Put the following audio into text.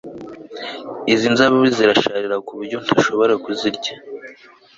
Izi nzabibu zirasharira kuburyo ntashobora kuzirya